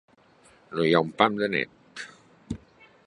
No hi ha un pam de net.